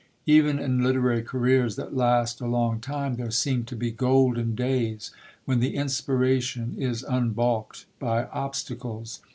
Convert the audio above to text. Even in literary careers that last a long time, there seem to be golden days when the inspiration is unbalked by obstacles.